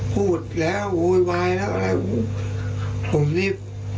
พูดแล้วโวยวายแล้วอะไรผมรีบ